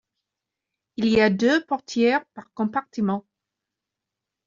Il y a deux portières par compartiment.